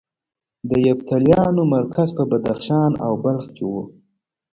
د یفتلیانو مرکز په بدخشان او بلخ کې و